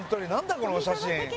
この写真。